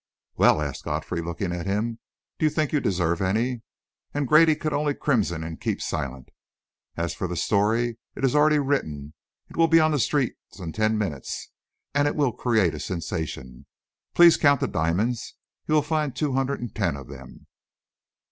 "Well," asked Godfrey, looking at him, "do you think you deserve any?" And Grady could only crimson and keep silent. "As for the story, it is already written. It will be on the streets in ten minutes and it will create a sensation. Please count the diamonds. You will find two hundred and ten of them."